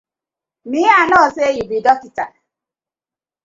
Mi I no say yu bi dokta.